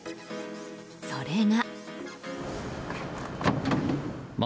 それが。